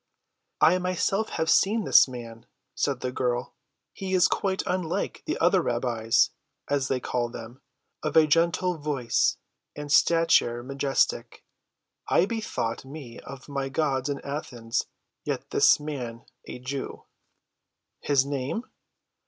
"I myself have seen this man," said the girl. "He is quite unlike the other rabbis, as they call them—of a gentle voice, and a stature majestic. I bethought me of my gods in Athens. Yet is the man a Jew." "His name?"